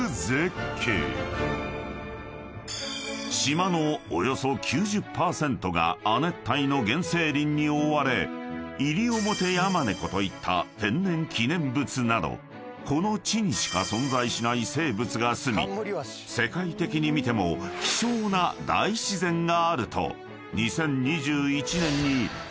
［島のおよそ９０％が亜熱帯の原生林に覆われイリオモテヤマネコといった天然記念物などこの地にしか存在しない生物がすみ世界的に見ても希少な大自然があると］